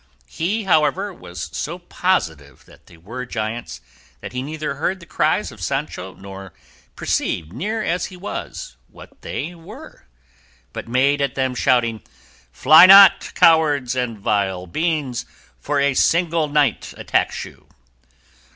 He, however, was so positive they were giants that he neither heard the cries of Sancho, nor perceived, near as he was, what they were, but made at them shouting, "Fly not, cowards and vile beings, for a single knight attacks you."